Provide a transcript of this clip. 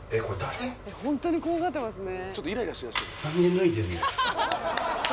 ホントに怖がってますね。